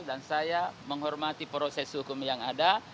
dan saya menghormati proses hukum yang ada